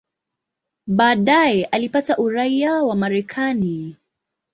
Baadaye alipata uraia wa Marekani.